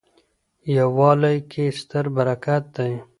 یووالي کي ستر برکت دی.